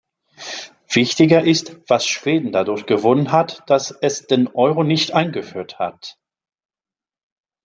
Wichtiger ist, was Schweden dadurch gewonnen hat, dass es den Euro nicht eingeführt hat.